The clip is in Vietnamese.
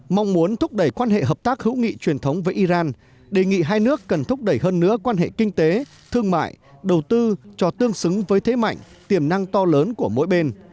mong muốn thúc đẩy quan hệ hợp tác hữu nghị truyền thống với iran đề nghị hai nước cần thúc đẩy hơn nữa quan hệ kinh tế thương mại đầu tư cho tương xứng với thế mạnh tiềm năng to lớn của mỗi bên